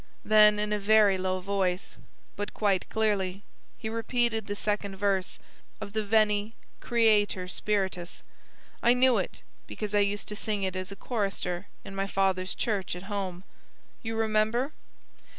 Then, in a very low voice, but quite clearly, he repeated the second verse of the VENI, CREATOR SPIRITUS. I knew it, because I used to sing it as a chorister in my father's church at home. You remember?"